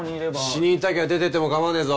死にたきゃ出ていっても構わねえぞ。